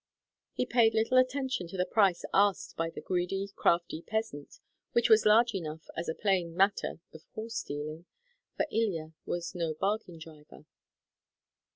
He paid little attention to the price asked by the greedy, crafty peasant, which was large enough as a plain matter of horse dealing, for Ilya was no bargain driver.